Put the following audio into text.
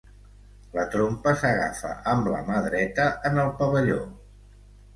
La trompa s'agafa amb la mà dreta en el pavelló.